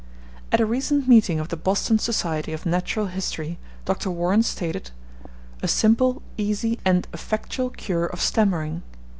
At a recent meeting of the Boston Society of Natural History, Dr. Warren stated, "A simple, easy, and effectual cure of stammering."